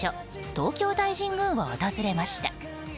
東京大神宮を訪れました。